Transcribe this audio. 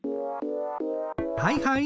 はいはい！